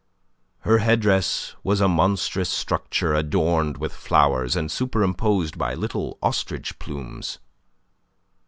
Her headdress was a monstrous structure adorned with flowers, and superimposed by little ostrich plumes.